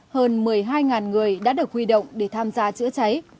hơn một mươi hai người đã được huy động để tham gia chữa cháy